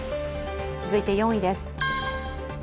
続いて４位です。